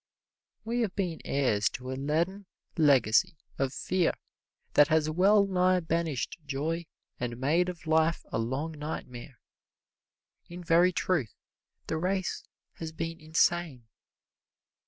We have been heirs to a leaden legacy of fear that has well nigh banished joy and made of life a long nightmare. In very truth, the race has been insane.